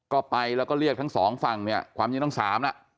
ก็ไปเรียกทั้งสองฝั่งความจริงตั้งสาม